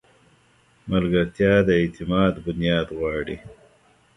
ملګرتیا د اعتماد بنیاد غواړي.